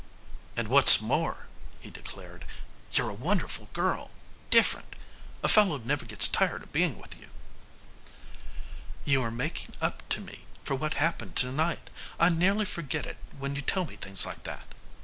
"And what's more," he declared, "you're a wonderful girl different a fellow never gets tired of being with you." "You are making up to me for what happened to night! I nearly forget it when you tell me things like that."